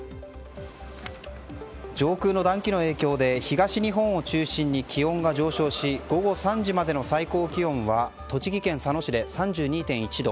上空の暖気の影響で東日本を中心に気温が上昇し午後３時までの最高気温は栃木県佐野市で３２．１度。